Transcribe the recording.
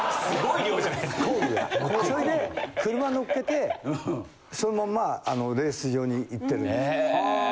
それで車乗っけてそのままレース場に行ってるんですよ。